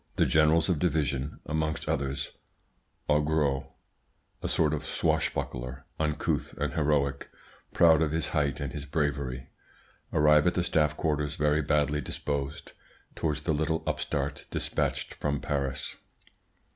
"The generals of division, amongst others Augereau, a sort of swashbuckler, uncouth and heroic, proud of his height and his bravery, arrive at the staff quarters very badly disposed towards the little upstart dispatched them from Paris.